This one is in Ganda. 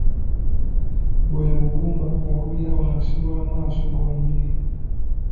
Bwe bugumba obubeera wansi w'amaaso gombi.